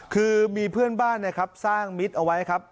คือมีเพื่อนบ้านนะครับสร้างมิตรเอาไว้ครับ